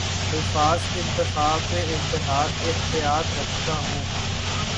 الفاظ کے انتخاب میں احتیاط رکھتا ہوں